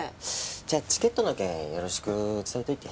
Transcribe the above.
じゃあチケットの件よろしく伝えといて。